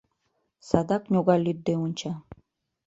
Садак ньога лӱдде онча